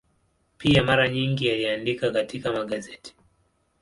Pia mara nyingi aliandika katika magazeti.